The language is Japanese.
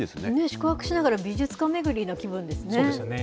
宿泊しながら美術館巡りな気分ですね。